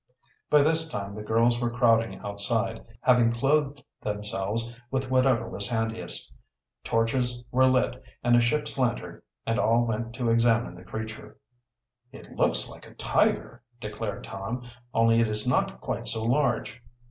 By this time the girls were crowding outside, having clothed themselves with whatever was handiest. Torches were lit, and a ship's lantern, and all went to examine the creature. "It looks like a tiger," declared Tom. "Only it is not quite so large."